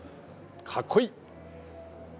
かっこいい。